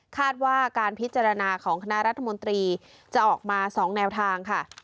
คาดว่าการพิจารณาของคณะรัฐมนตรีจะออกมา๒แนวทางค่ะ